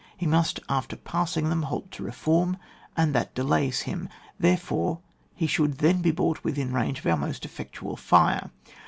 He must, after passing them, halt to reform, and that delays him; therefore he should then be brought within range of our most effectual fire.